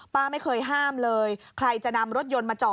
ป้าไม่เคยห้ามเลยใครจะนำรถยนต์มาจอด